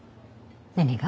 何が？